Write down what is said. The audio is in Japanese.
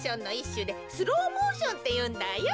しゅでスローモーションっていうんだよ。